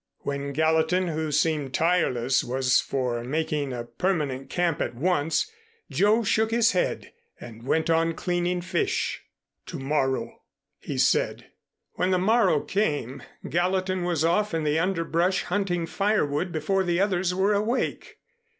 When Gallatin, who seemed tireless was for making a permanent camp at once, Joe shook his head and went on cleaning fish. "To morrow," he said. When the morrow came, Gallatin was off in the underbrush hunting firewood before the others were awake.